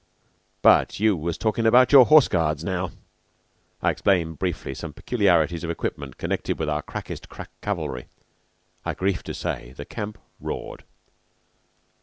But you was talking about your Horse Guards now?" I explained briefly some peculiarities of equipment connected with our crackest crack cavalry. I grieve to say the camp roared.